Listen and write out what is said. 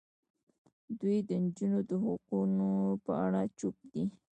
دوی د نجونو د حقونو په اړه چوپ دي.